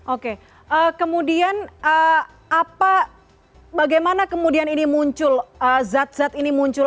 oke kemudian bagaimana kemudian ini muncul zat zat ini muncul